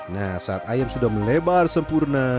nah saat ayam sudah melebar sempurna